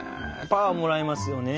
パワーもらえますよね。